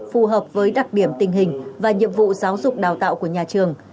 phù hợp với đặc điểm tình hình và nhiệm vụ giáo dục đào tạo của nhà trường